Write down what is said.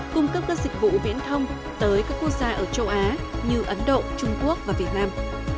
cung cấp các dịch vụ viễn thông tới các quốc gia ở châu á như ấn độ trung quốc và việt nam